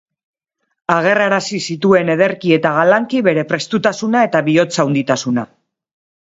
Agerrarazi zituen ederki eta galanki bere prestutasuna eta bihotz-handitasuna.